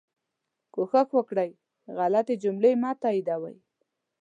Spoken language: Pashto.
کوښښ وکړئ غلطي جملې مه تائیدوئ